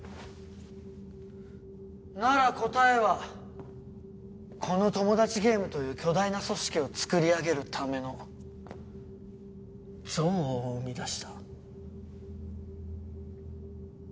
なら答えはこのトモダチゲームという巨大な組織を作り上げるための憎悪を生み出した。